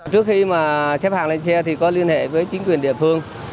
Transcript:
trước khi mà xếp hàng lên xe thì có liên hệ với chính quyền địa phương